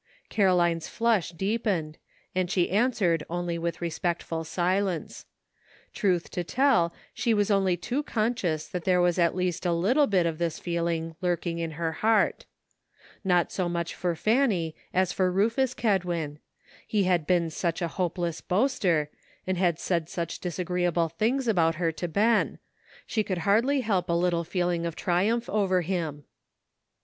Caroline's flush deepened, and she answered only with respectful silence. Truth to tell, she was only too conscious that there was at least a little bit of this feeUno lurking in her heart. 290 GREAT QUESTIONS SETTLED. Not 80 much for Fanny as for Rufus Kedwin ; he had been such a hopeless boaster, and had said such disagreeable things about her to Ben ; she could hardly help a little feeling of triumph over him.